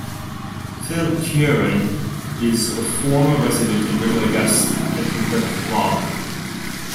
Phil Kieran is a former resident and regular guest at the club.